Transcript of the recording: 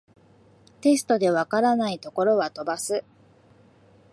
テストで解らないところは飛ばす